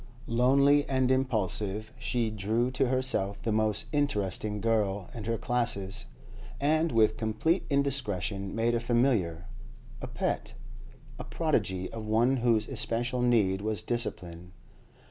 Lonely and impulsive, she drew to herself the most interesting girl in her classes, and, with complete indiscretion, made a familiar, a pet, a prodigy of one whose especial need was discipline.